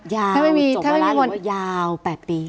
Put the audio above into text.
ยาวจบเวลาหรือว่ายาว๘ปี